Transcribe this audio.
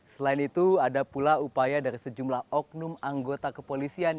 selain itu ada pula upaya dari sejumlah oknum anggota kepolisian